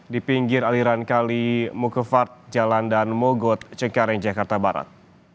di pinggir aliran kali mokevard jalan dan mogot cekareng jakarta barat